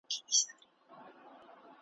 نه مېلې سته نه سازونه نه جشنونه ,